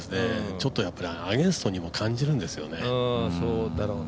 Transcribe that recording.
ちょっとアゲンストにも感じるんですよね。